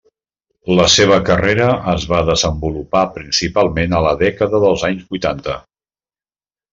La seva carrera es va desenvolupar principalment a la dècada dels anys vuitanta.